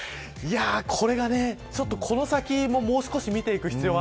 これがちょっとこの先ももう少し見ていく必要が